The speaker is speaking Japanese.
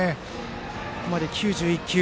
ここまで９２球。